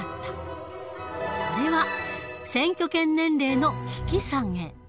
それは選挙権年齢の引き下げ。